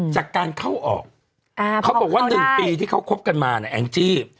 จากการเข้าออกเขาบอกว่า๑ปีที่เขาคบกันมาเนี่ยแองจี้